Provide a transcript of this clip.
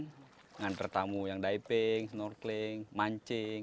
mengantar tamu yang diving snorkeling mancing